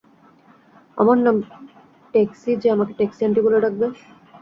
আমার নাম ট্যাক্সি যে আমাকে ট্যাক্সি আন্টি বলে ডাকবে?